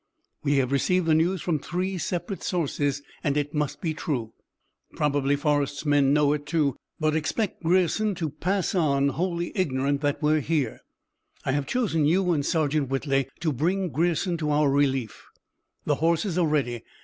We have received the news from three separate sources and it must be true. Probably Forrest's men know it, too, but expect Grierson to pass on, wholly ignorant that we're here. I have chosen you and Sergeant Whitley to bring Grierson to our relief. The horses are ready.